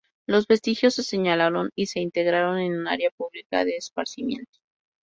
Los vestigios se señalaron y se integraron en un área pública de esparcimiento.